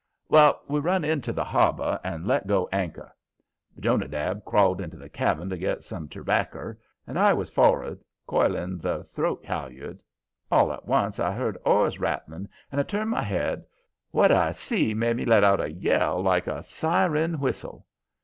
Well, we run into the harbor and let go anchor. Jonadab crawled into the cabin to get some terbacker, and I was for'ard coiling the throat halyard. All at once I heard oars rattling, and I turned my head; what I see made me let out a yell like a siren whistle.